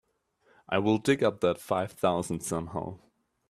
I'll dig up that five thousand somehow.